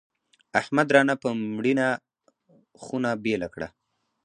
احمد رانه په مړینه خونه بېله کړه.